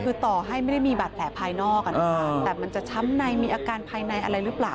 คือต่อให้ไม่ได้มีบาดแผลภายนอกแต่มันจะช้ำในมีอาการภายในอะไรหรือเปล่า